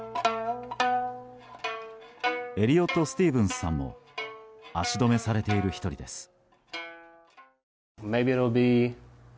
エリオット・スティーブンスさんも足止めされている１人です。